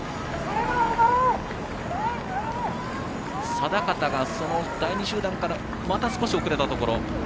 定方が、その第２集団からまた少し遅れたところ。